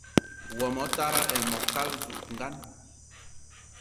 Wo motara ayi wo mokal zugan